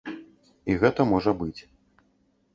І гэта можа быць.